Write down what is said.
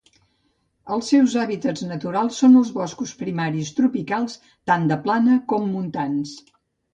Els seus hàbitats naturals són els boscos primaris tropicals, tant de plana com montans.